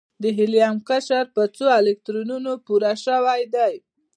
د هیلیم قشر په څو الکترونونو پوره شوی دی؟